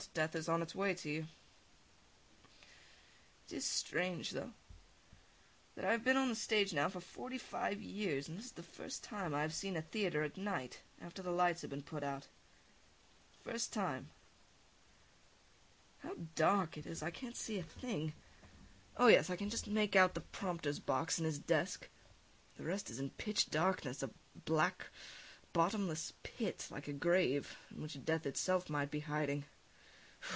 Death is on its way to you. [Stares ahead of him] It is strange, though, that I have been on the stage now for forty five years, and this is the first time I have seen a theatre at night, after the lights have been put out. The first time. [Walks up to the foot lights] How dark it is! I can't see a thing. Oh, yes, I can just make out the prompter's box, and his desk; the rest is in pitch darkness, a black, bottomless pit, like a grave, in which death itself might be hiding....